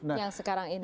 yang sekarang ini